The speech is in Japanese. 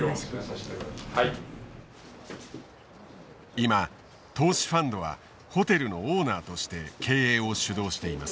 今投資ファンドはホテルのオーナーとして経営を主導しています。